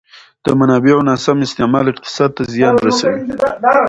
د منابعو ناسم استعمال اقتصاد ته زیان رسوي.